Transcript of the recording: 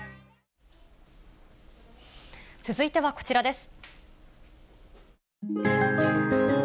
続いてはこちらです。